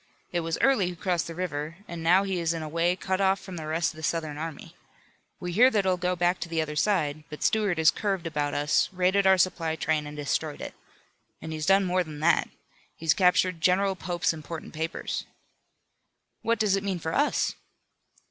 It was Early who crossed the river, and now he is in a way cut off from the rest of the Southern army. We hear that he'll go back to the other side. But Stuart has curved about us, raided our supply train and destroyed it. And he's done more than that. He's captured General Pope's important papers." "What does it mean for us?"